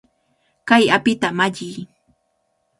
¡Kay apita malliy!